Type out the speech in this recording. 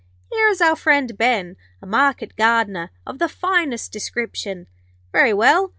Here is our friend Ben, a market gardener of the finest description. Very well.